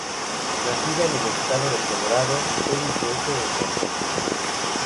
Nacida en el estado de Colorado, Penny crece en San Francisco.